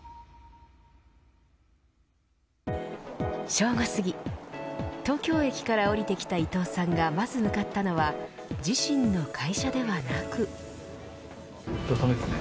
正午すぎ、東京駅から降りてきた伊藤さんがまず向かったのは自身の会社ではなく。